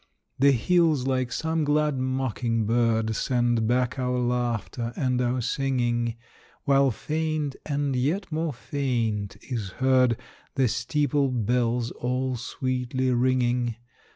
The hills, like some glad mocking bird, Send back our laughter and our singing, While faint and yet more faint is heard The steeple bells all sweetly ringing.